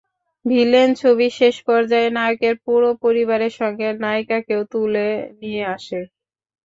Villain ছবির শেষ পর্যায়ে নায়কের পুরো পরিবারের সঙ্গে নায়িকাকেও তুলে নিয়ে আসে।